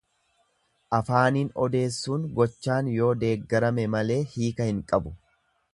Afaaniin odeessuun gochaan yoo deeggarame malee hiika hin qabu.